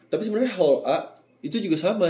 tapi sebenarnya hall a itu juga sama